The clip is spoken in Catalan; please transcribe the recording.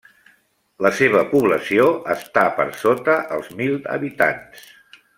La seva població està per sota els mil habitants.